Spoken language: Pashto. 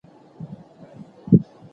آیا تا دغه مشهور ناول لوستی دی؟